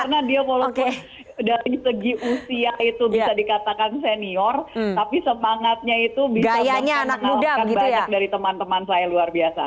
karena dia mulutku dari segi usia itu bisa dikatakan senior tapi semangatnya itu bisa menawarkan banyak dari teman teman saya luar biasa